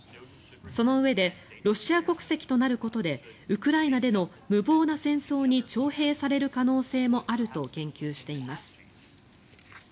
そのうえでロシア国籍となることでウクライナでの無謀な戦争に徴兵される可能性もあると言及しています。